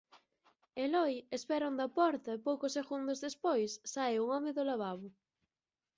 Eloi espera onda a porta e poucos segundos despois sae un home do lavabo.